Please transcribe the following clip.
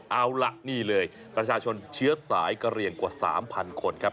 เอาล่ะนี่เลยประชาชนเชื้อสายกระเหลี่ยงกว่า๓๐๐คนครับ